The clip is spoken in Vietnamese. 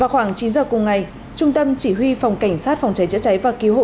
khoảng chín giờ cùng ngày trung tâm chỉ huy phòng cảnh sát phòng cháy chữa cháy và cứu hộ